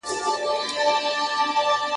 له سرحد څخه یې حال دی را لېږلی `